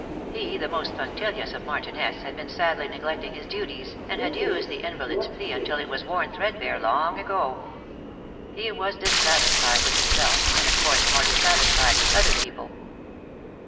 He, the most punctilious of martinets, had been sadly neglecting his duties, and had used the invalid s plea until it was worn threadbare long ago. He was dissatisfied with himself, and, of course, more dissatisfied with other people."